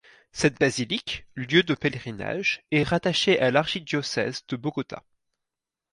Cette basilique, lieu de pèlerinage, est rattachée à l'archidiocèse de Bogota.